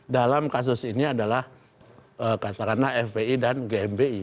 dalam kasus ini adalah katakanlah fpi dan gmbi